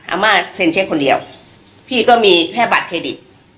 อาม่าเซ็นเช็คคนเดียวพี่ก็มีแค่บัตรเครดิต